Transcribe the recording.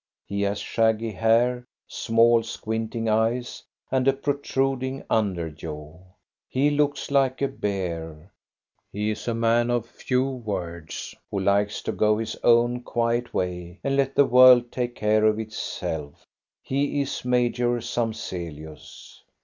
He has shaggy hair, small, squinting eyes, and a protruding under jaw. He looks like a bear. He is a raan of few words, who likes to go 54 THE STORY OF GOSTA BE RUNG his own quiet way and let the world take care itself. He is Major Samzelius.